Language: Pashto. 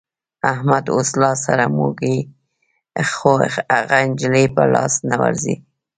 احمد اوس لاس سره موږي خو هغه نجلۍ په لاس نه ورځي.